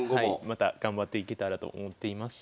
また頑張っていけたらと思っています。